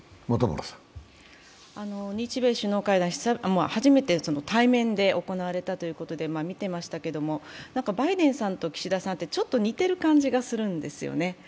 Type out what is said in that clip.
日米首脳会談、初めて対面で行われたということで見てましたけども、バイデンさんと岸田さんってちょっと似てる感じがするんですよね。